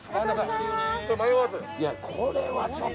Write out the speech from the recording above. いやこれはちょっと。